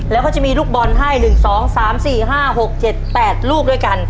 แล้วก็จะมีลูกบอลให้๑๒๓๔๕๖๗๘ลูกด้วยกัน